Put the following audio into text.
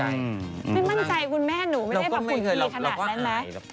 ไม่มั่นใจคุณแม่หนูไม่ได้แบบหุ่นคลีขนาดนั้นไหม